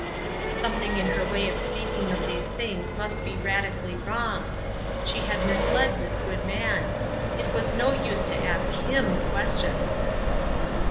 Something in her way of speaking of these things must be radically wrong. She had misled this good man. It was no use to ask him questions.